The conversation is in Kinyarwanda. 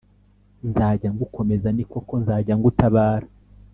Nzajya ngukomeza nikoko nzajya ngutabara